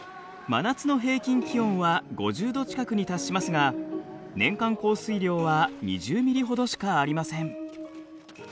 真夏の平均気温は５０度近くに達しますが年間降水量は２０ミリほどしかありません。